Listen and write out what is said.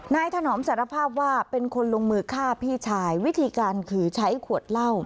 ถนอมสารภาพว่าเป็นคนลงมือฆ่าพี่ชายวิธีการคือใช้ขวดเหล้า